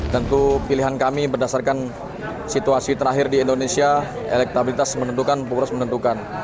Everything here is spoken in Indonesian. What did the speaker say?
tentu pilihan kami berdasarkan situasi terakhir di indonesia elektabilitas menentukan pengurus menentukan